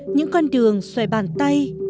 những con đường xoay bàn tay